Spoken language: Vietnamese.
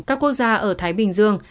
các quốc gia ở thái bình dương